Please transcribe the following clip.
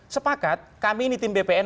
sepakat kami ini tim bpn